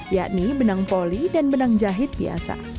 yakni benang poli dan benang jahit biasa